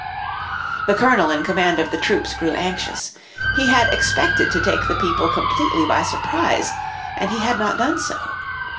The colonel in command of the troops grew anxious. He had expected to take the people completely by surprise, and he had done so.